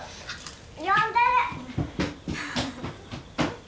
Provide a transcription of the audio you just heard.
呼んでる！